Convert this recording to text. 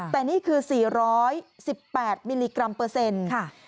แต่นี่คือ๔๑๘มิลลิกรัมเปอร์เซ็นต์ค่ะ